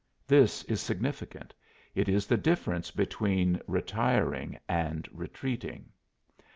This is significant it is the difference between retiring and retreating.